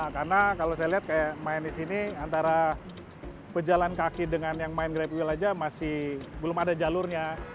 karena kalau saya lihat kayak main di sini antara pejalan kaki dengan yang main grab wheel aja masih belum ada jalurnya